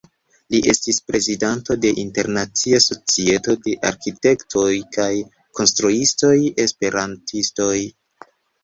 Li estis prezidanto de Internacia Societo de Arkitektoj kaj Konstruistoj Esperantistoj.